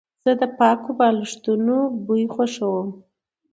زه د پاکو بالښتونو بوی خوښوم.